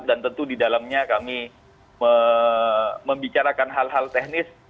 dan tentu di dalamnya kami membicarakan hal hal teknis